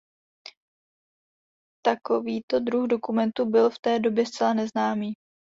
Takovýto druh dokumentu byl v té době zcela neznámý.